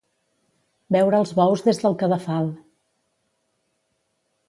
Veure els bous des del cadafal.